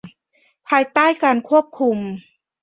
ภายใต้การควบคุม